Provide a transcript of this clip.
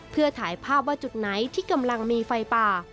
เพื่อถ่ายภาพว่าจุดไหนที่กำลังมีไฟป่า